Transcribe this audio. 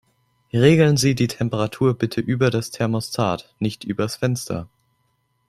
Regeln Sie die Temperatur bitte über das Thermostat, nicht übers Fenster.